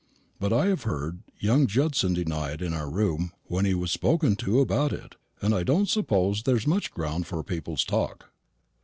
But I have heard young Judson deny it in our room when he was spoken to about it, and I don't suppose there's much ground for people's talk."